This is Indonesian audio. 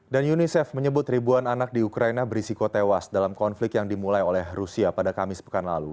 dan unicef menyebut ribuan anak di ukraina berisiko tewas dalam konflik yang dimulai oleh rusia pada kamis pekan lalu